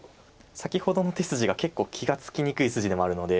先ほどの手筋が結構気が付きにくい筋でもあるので。